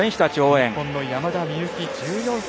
日本の山田美幸１４歳。